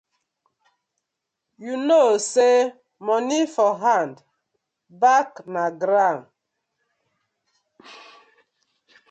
Yu kow say moni for hand back na grawn.